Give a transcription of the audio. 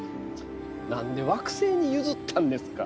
なんで「惑星」に譲ったんですか。